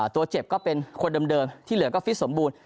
ตัวเจ็บก็เป็นคนเดิมที่เหลือก็ฟิตสมบูรณ